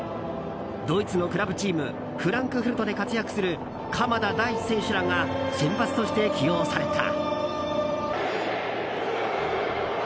ドイツのクラブチームフランクフルトで活躍する鎌田大地選手らが先発として起用された。